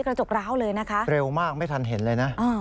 กระจกร้าวเลยนะคะเร็วมากไม่ทันเห็นเลยนะ